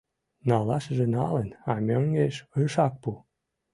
Налашыже налын, а мӧҥгеш ышак пу.